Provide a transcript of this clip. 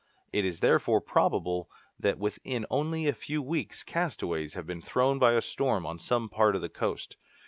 It is therefore probable that within only a few weeks castaways have been thrown by a storm on some part of the coast.